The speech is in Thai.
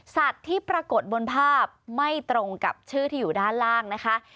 ที่ปรากฏบนภาพไม่ตรงกับชื่อที่อยู่ด้านล่างนะคะ